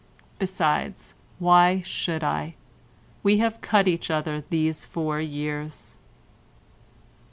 Besides why should I? We have cut each other these four years."